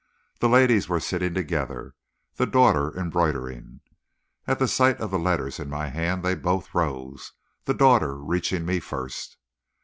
The ladies were sitting together, the daughter embroidering. At the sight of the letters in my hand they both rose, the daughter reaching me first.